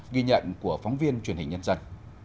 ghi nhận của phóng viên truyền hình nhân dân